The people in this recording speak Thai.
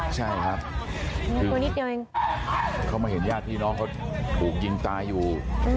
ใช่ครับเข้ามาเห็นญาติที่น้องเขาถูกยิงตายอยู่